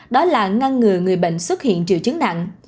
đó là ngăn ngừa người bệnh xuất hiện triệu chứng nặng